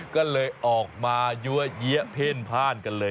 ก็เลยออกมายั่วเยี้ยเพ่นพ่านกันเลย